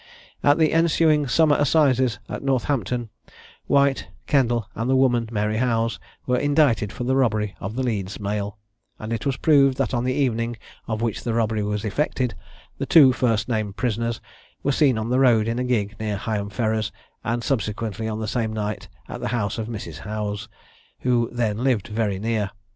At the ensuing summer assizes at Northampton, White, Kendall, and the woman Mary Howes, were indicted for the robbery of the Leeds mail; and it was proved that on the evening on which the robbery was effected, the two first named prisoners were seen on the road in a gig near Higham Ferrers, and subsequently on the same night at the house of Mrs. Howes, who then lived very near.